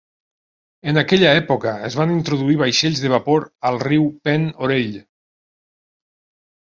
En aquella època es van introduir vaixells de vapor al riu Pend Oreille.